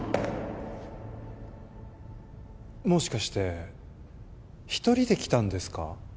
もしかして一人で来たんですか？